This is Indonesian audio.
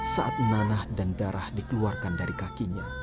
saat nanah dan darah dikeluarkan dari kakinya